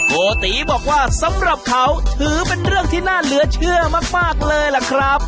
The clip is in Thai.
โกติบอกว่าสำหรับเขาถือเป็นเรื่องที่น่าเหลือเชื่อมากเลยล่ะครับ